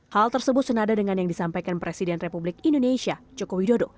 hal tersebut senada dengan yang disampaikan presiden republik indonesia joko widodo